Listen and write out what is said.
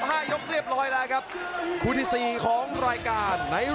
มาเลยครับเดี๋ยวพยาบาล